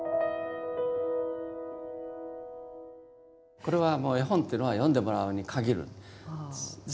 これはもう絵本っていうのは読んでもらうに限るんです。